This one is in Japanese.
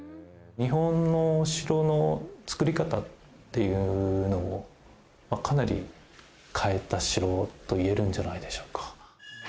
日本の城のつくり方っていうのをかなり変えた城と言えるんじゃないでしょうか。